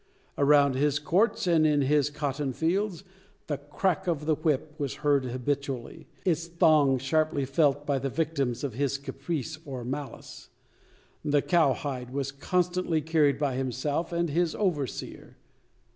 Around his courts, and in his cotton fields, the crack of the whip was heard habitually its thong sharply felt by the victims of his caprice, or malice. The "cowhide" was constantly carried by himself, and his overseer.